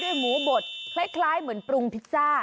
หมูบดคล้ายเหมือนปรุงพิซซ่า